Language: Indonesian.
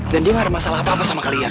dan dia gak ada masalah sama kalian